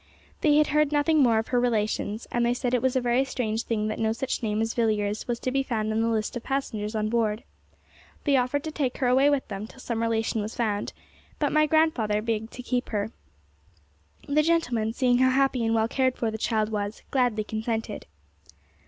They had heard nothing more of her relations; and they said it was a very strange thing that no such name as Villiers was to be found on the list of passengers on board. They offered to take her away with them till some relation was found; but my grandfather begged to keep her. The gentlemen, seeing how happy and well cared for the child was, gladly consented.